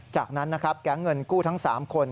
จากนั้นแก๊งเงินกู้ทั้ง๓คน